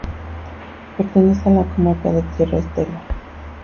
Pertenece a la comarca de Tierra Estella.